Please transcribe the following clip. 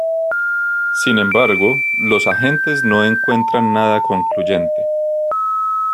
Sin embargo, los agentes no encuentran nada concluyente.